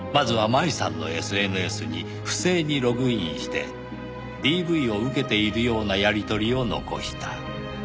麻衣さんのＳＮＳに不正にログインしてＤＶを受けているようなやり取りを残した。